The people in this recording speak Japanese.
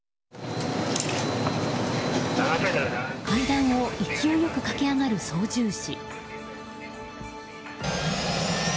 階段を勢いよく駆け上がる操縦士。